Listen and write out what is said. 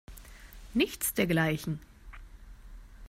Nichts dergleichen.